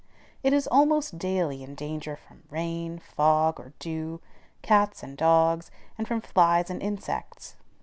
It is almost daily in danger from rain, fog, or dew, cats and dogs, and from flies or insects.